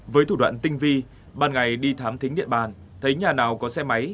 với thủ đoạn tinh vi ban ngày đi thám thính điện bàn thấy nhà nào có xe máy